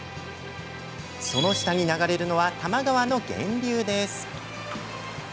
その下に流れるのは多摩川の源流です。